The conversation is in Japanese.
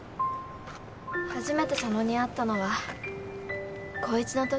初めて佐野に会ったのは高１のときです。